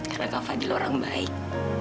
karena kak fadil orang baik